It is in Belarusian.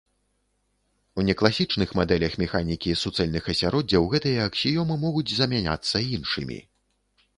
У некласічных мадэлях механікі суцэльных асяроддзяў гэтыя аксіёмы могуць замяняцца іншымі.